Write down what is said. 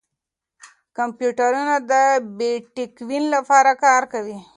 کمپیوټرونه د بېټکوین لپاره کار کوي.